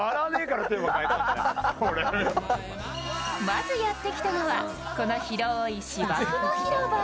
まずやってきたのはこの広い芝生の広場。